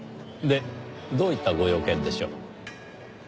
でどういったご用件でしょう？